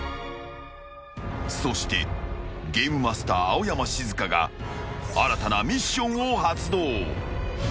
［そしてゲームマスター青山シズカが新たなミッションを発動］